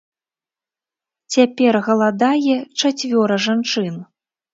Цяпер галадае чацвёра жанчын.